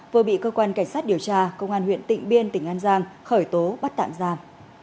vừa bị cơ quan cảnh sát điều tra công an huyện tịnh biên tỉnh an giang khởi tố bắt tạm giam